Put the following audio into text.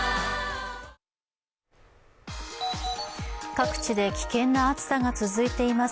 各地で、危険な暑さが続いています。